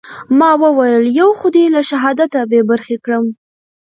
ما وويل يو خو دې له شهادته بې برخې کړم.